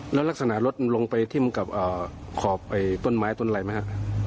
แล้วลักษณะรถลงไปที่มันกลับขอบต้นไม้ต้นไรไหมครับ